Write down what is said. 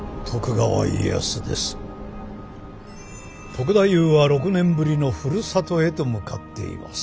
篤太夫は６年ぶりのふるさとへと向かっています。